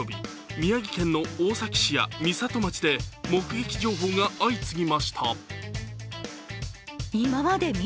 宮城県の大崎市や、美里町で目撃情報が相次ぎました。